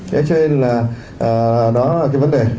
thế cho nên là đó là cái vấn đề